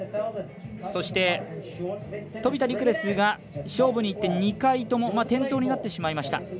そして、飛田流輝ですが勝負にいって２回とも転倒になってしまいました。